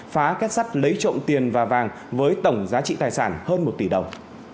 phá kết sắt lấy trộm tiền và vàng với tổng giá trị tài sản hơn một tỷ đồng